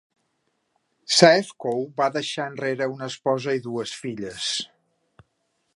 Saefkow va deixar enrere una esposa i dues filles.